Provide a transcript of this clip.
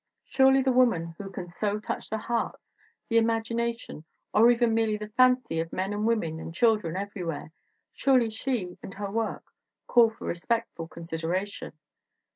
Surely the woman who can so touch the hearts, the imagination, or even merely the fancy of men and women and children everywhere surely she and her work call for re spectful consideration.